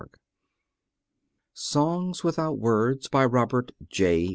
_ SONGS WITHOUT WORDS BY ROBERT J.